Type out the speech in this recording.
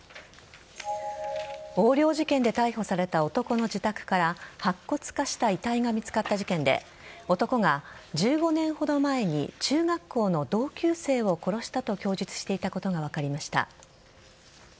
横領事件で逮捕された男の自宅から白骨化した遺体が見つかった事件で男が１５年ほど前に中学校の同級生を殺したと供述していたことが分かりました。